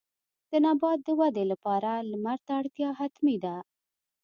د نبات د ودې لپاره لمر ته اړتیا حتمي ده.